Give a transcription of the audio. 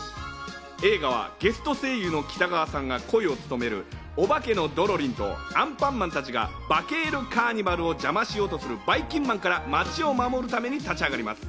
映画はゲスト声優の北川さんが声を務めるおばけのドロリンとアンパンマンたちがバケるカーニバルを邪魔しようとする、ばいきんまんから、街を守るために立ち上がります。